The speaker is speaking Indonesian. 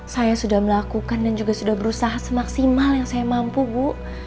saya sudah melakukan dan juga sudah berusaha semaksimal yang saya mampu bu